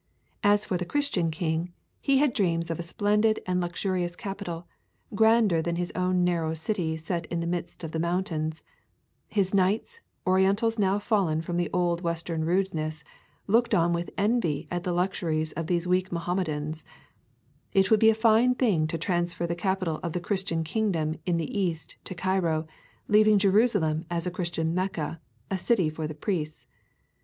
As for the Christian king, he had dreams of a splendid and luxurious capital, grander than his own narrow city set in the midst of the mountains; his knights, orientals now and fallen from the old western rudeness, looked on with envy at the luxuries of these weak Mohammedans; it would be a fine thing to transfer the capital of the Christian kingdom in the East to Cairo, leaving Jerusalem as a Christian Mecca, a city for the priests.